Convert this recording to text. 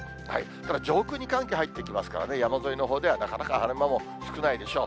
ただ、上空に寒気入ってきますからね、山沿いのほうでは、なかなか晴れ間も少ないでしょう。